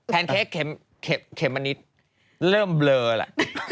แพนเค้กเข็มนิดเริ่มเบลอล่ะ